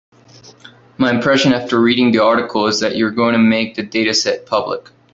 My impression after reading the article is that you are going to make the dataset public.